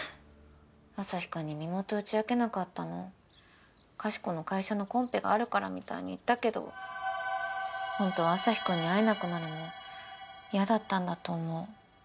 アサヒくんに身元打ち明けなかったのかしこの会社のコンペがあるからみたいに言ったけど本当はアサヒくんに会えなくなるの嫌だったんだと思う。